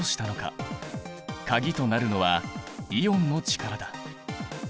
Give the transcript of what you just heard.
鍵となるのはイオンの力だ。